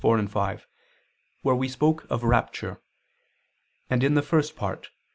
4, 5), where we spoke of rapture, and in the First Part (Q.